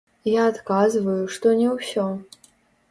Я адказваю, што не ўсё!